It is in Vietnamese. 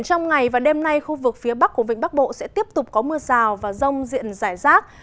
hôm nay khu vực phía bắc của vịnh bắc bộ sẽ tiếp tục có mưa rào và rông diện rải rác